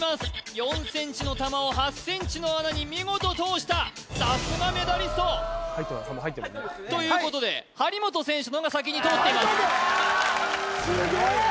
４ｃｍの球を８ｃｍの穴に見事通したさすがメダリスト入ってるよねということでに通っていますすげえ！